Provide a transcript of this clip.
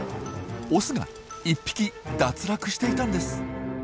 オスが１匹脱落していたんです。